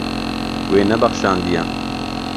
Wê nebexşandiye.